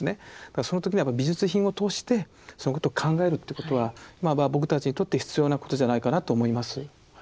だからその時に美術品を通してそのことを考えるってことは僕たちにとって必要なことじゃないかなと思います。